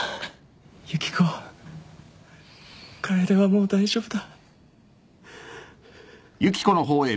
雪子楓はもう大丈夫だ